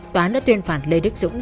toán đã tuyên phạt lê đức dũng